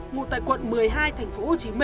ngụ tại quận một mươi hai tp hcm